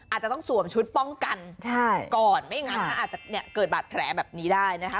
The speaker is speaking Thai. อาจจะต้องสวมชุดป้องกันก่อนไม่งั้นถ้าอาจจะเกิดบาดแผลแบบนี้ได้นะคะ